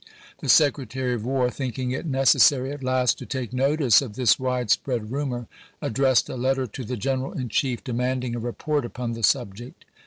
^ The Secretary of War, thinking it necessary at last to take notice of this widespread rumor, addressed oct. 27, 1862. a letter to the General in Chief demanding a report vol 'xix., upon the subject.